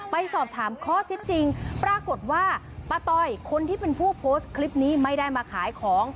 ไปสอบถามข้อเท็จจริงปรากฏว่าป้าต้อยคนที่เป็นผู้โพสต์คลิปนี้ไม่ได้มาขายของ